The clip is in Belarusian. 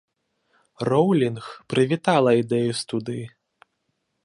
Роўлінг прывітала ідэю студыі.